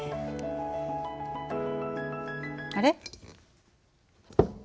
あれ？